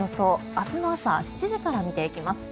明日の朝７時から見ていきます。